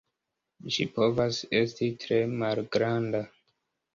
Ĝi povas esti tre malgranda.